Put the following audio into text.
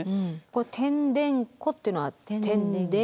この「てんでんこ」っていうのはてんで。